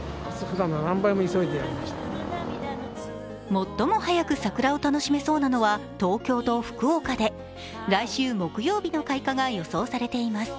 最も早く桜を楽しめそうなのは東京は福岡で来週木曜日の開花が予想されています。